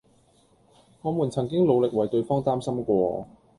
我們曾經努力為對方擔心過